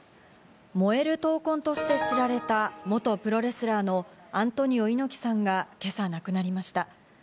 燃える闘魂として知られた元プロレスラーのアントニオ猪木さんが今朝、亡くなりました。